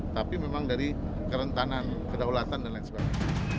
tapi memang dari kerentanan kedaulatan dan lain sebagainya